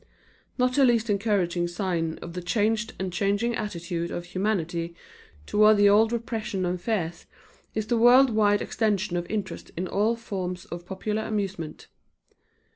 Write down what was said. Not the least encouraging sign of the changed and changing attitude of humanity toward the old repressions and fears, is the world wide extension of interest in all forms of popular amusement.